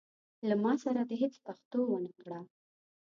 له ما سره دي هيڅ پښتو نه وکړه.